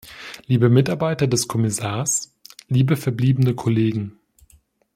Liebe Mitarbeiter des Kommissars, liebe verbliebene Kollegen!